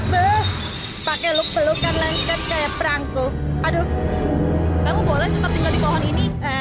bu pakai luk pelukan lengket kayak perangku aduh kamu boleh tetap tinggal di pohon ini